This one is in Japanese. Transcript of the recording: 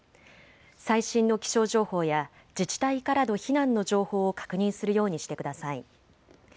最新の気象情報や自治体からの避難の情報を確認するようにしてください。